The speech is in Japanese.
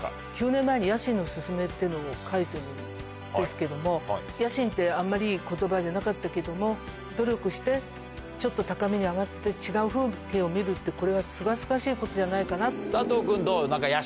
９年前に野心のすすめっていうのを書いてるんですけども、野心ってあんまりいいことばじゃなかったけれども、努力してちょっと高みに上がって、違う風景を見るって、これはすがすがしいこ佐藤君、どう？